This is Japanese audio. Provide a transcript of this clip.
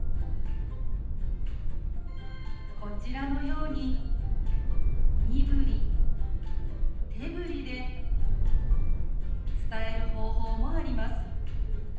こちらのように身振り手振りで伝える方法もあります。